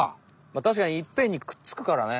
まあたしかにいっぺんにくっつくからね。